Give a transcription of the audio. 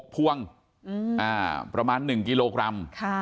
พวงประมาณ๑กิโลกรัม